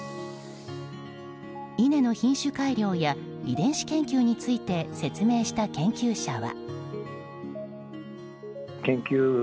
稲の品種改良や遺伝子研究について説明した研究者は。